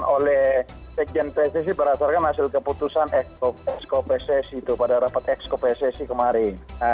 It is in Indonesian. oleh sejen pssi berdasarkan hasil keputusan exco pssi pada rapat exco pssi kemarin